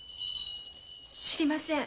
知りません。